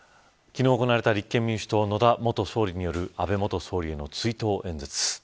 昨日行われた立憲民主党、野田元総理による安倍元総理への追悼演説。